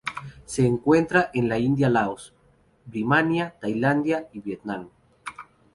Se encuentra en la India Laos, Birmania, Tailandia y Vietnam.